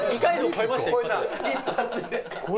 超えたね。